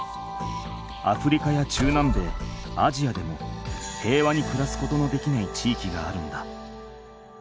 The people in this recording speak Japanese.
アフリカや中南米アジアでも平和に暮らすことのできない地域があるんだ。